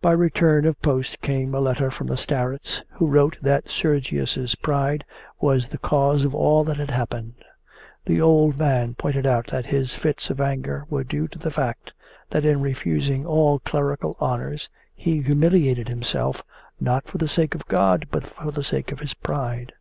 By return of post came a letter from the starets, who wrote that Sergius's pride was the cause of all that had happened. The old man pointed out that his fits of anger were due to the fact that in refusing all clerical honours he humiliated himself not for the sake of God but for the sake of his pride.